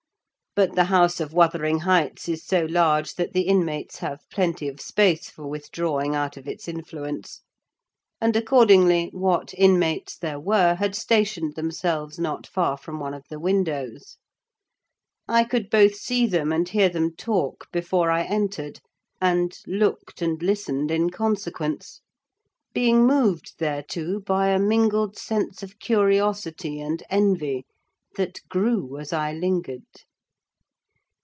But the house of Wuthering Heights is so large that the inmates have plenty of space for withdrawing out of its influence; and accordingly what inmates there were had stationed themselves not far from one of the windows. I could both see them and hear them talk before I entered, and looked and listened in consequence; being moved thereto by a mingled sense of curiosity and envy, that grew as I lingered.